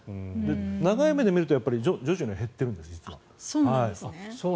長い目で見ると徐々には減ってるんです実は。